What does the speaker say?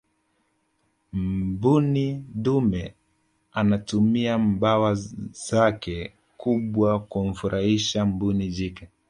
mbuni dume anatumia mbawa zake kubwa kumfurahisha mbuni jike